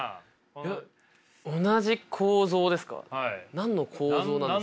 何の構造ですか？